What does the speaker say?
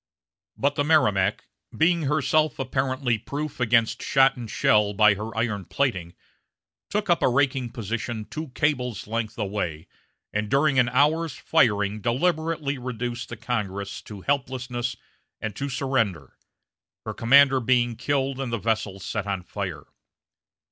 But the Merrimac, being herself apparently proof against shot and shell by her iron plating, took up a raking position two cables' length away, and during an hour's firing deliberately reduced the Congress to helplessness and to surrender her commander being killed and the vessel set on fire.